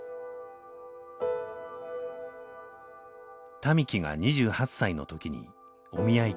民喜が２８歳の時にお見合い結婚。